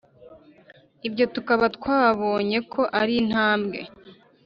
ibyo tukaba twabonyeko ari intambwe